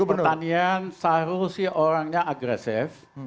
pertanian seharusnya orangnya agresif